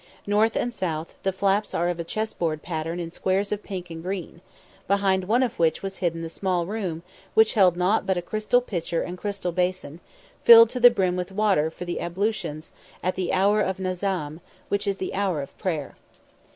North and south, the flaps are of chess board pattern in squares of pink and green; behind one of which was hidden the small room which held naught but a crystal pitcher and crystal basin, filled to the brim with water for the ablutions at the Hour of Nazam, which is the Hour of Prayer.